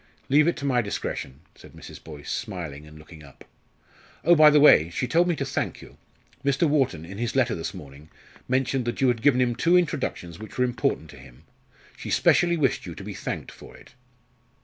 "Leave it to my discretion," said Mrs. Boyce, smiling and looking up. "Oh, by the way, she told me to thank you. Mr. Wharton, in his letter this morning, mentioned that you had given him two introductions which were important to him. She specially wished you to be thanked for it."